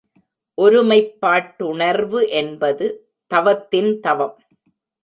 ஒருமைப்பாட்டுணர்வு என்பது தவத்தின் தவம்.